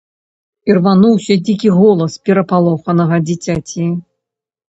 Ірвануўся дзікі голас перапалоханага дзіцяці.